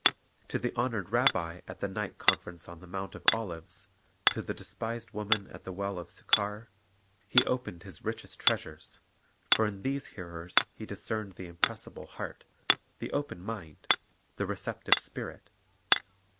To the honored rabbi at the night conference on the Mount of Olives, to the despised woman at the well of Sychar, He opened His richest treasures; for in these hearers He discerned the impressible heart, the open mind, the receptive spirit.